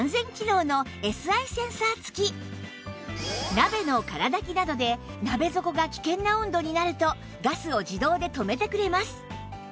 鍋の空だきなどで鍋底が危険な温度になるとガスを自動で止めてくれます